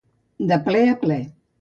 De ple a ple.